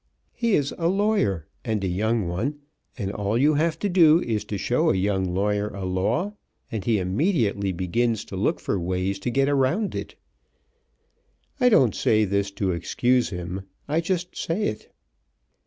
He is a lawyer, and a young one, and all you have to do is to show a young lawyer a law, and he immediately begins to look for ways to get around it. I don't say this to excuse him. I just say it."